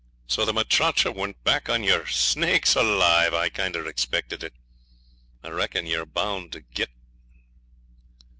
So the muchacha went back on yer snakes alive! I kinder expected it. I reckon you're bound to git.'